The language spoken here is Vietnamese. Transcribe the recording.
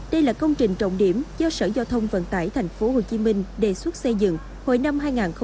đây là công trình trọng điểm do sở giao thông vận tải tp hcm đề xuất xây dựng hồi năm hai nghìn một mươi năm